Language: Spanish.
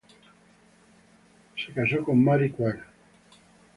Se casó con Mary Quayle.